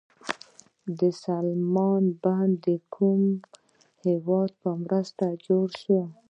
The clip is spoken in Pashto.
د سلما بند د کوم هیواد په مرسته جوړ شو؟